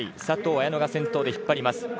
佐藤綾乃が先頭で引っ張ります。